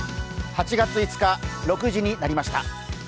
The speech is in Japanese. ８月５日、６時になりました。